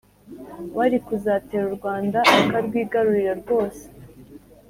warikuzatera Urwanda akarwigarurira rwose